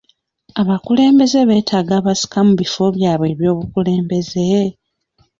Abakulembeze beetaaga abasika mu bifo byabwe eby'obukulembeze?